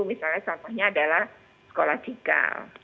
misalnya contohnya adalah sekolah cikal